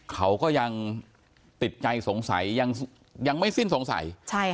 เขาก็ยังติดใจสงสัยยังไม่สิ้นสงสัย